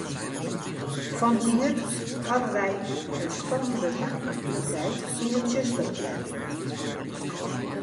Fan 't jier hawwe wy in spannende nachtaktiviteit yn it tsjuster pland.